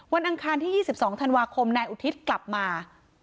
อังคารที่๒๒ธันวาคมนายอุทิศกลับมา